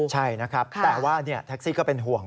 ใช่นะครับแต่ว่าแท็กซี่ก็เป็นห่วง